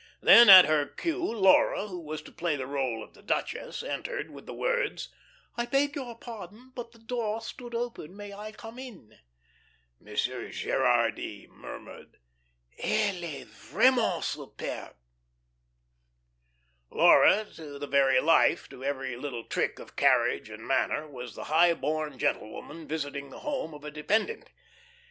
Then at her cue, Laura, who was to play the role of the duchess, entered with the words: "I beg your pardon, but the door stood open. May I come in?" Monsieur Gerardy murmured: "Elle est vraiment superbe." Laura to the very life, to every little trick of carriage and manner was the high born gentlewoman visiting the home of a dependent.